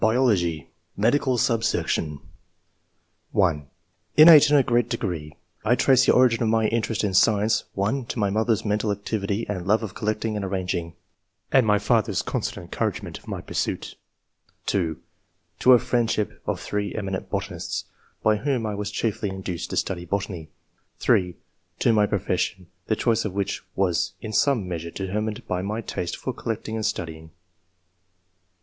[chap. BIOLOGY. Medical Subsection. (1) "Innate in a great degree. I trace the origin of my interest in science (1) to my mother's mental activity and love of collecting and arranging, and my father's constant en couragement of my pursuits ; (2) to the friend ship of [three eminent botanists], by whom I was chiefly induced to study botany ; (3) to my profession, the choice of which was in some measure determined by my taste for collecting and studying."